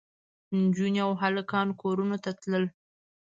نجونې او هلکان کورونو ته تلل.